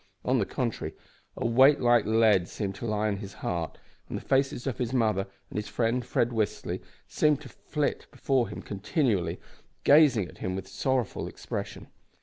On the contrary, a weight like lead seemed to lie on his heart, and the faces of his mother and his friend, Fred Westly, seemed to flit before him continually, gazing at him with sorrowful expression.